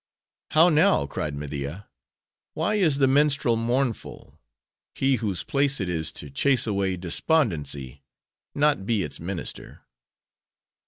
"How now?" cried Media; "why is the minstrel mournful?—He whose place it is to chase away despondency: not be its minister."